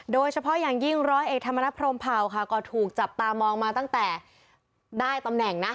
โดยเฉพาะอย่างยิ่งร้อยเอกธรรมนัฐพรมเผาค่ะก็ถูกจับตามองมาตั้งแต่ได้ตำแหน่งนะ